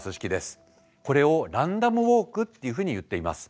これをランダムウォークっていうふうにいっています。